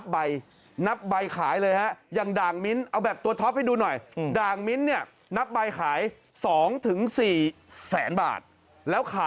เฮ้ยเป็นเล่นไปพี่ตัว